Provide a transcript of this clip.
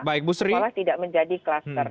sekolah tidak menjadi klaster